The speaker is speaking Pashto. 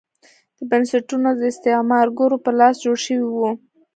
دا بنسټونه د استعمارګرو په لاس جوړ شوي وو.